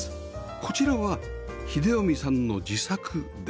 こちらは英臣さんの自作です